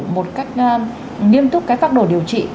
một cách nghiêm túc các pháp đồ điều trị